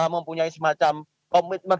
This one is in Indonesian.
mempunyai semacam komitmen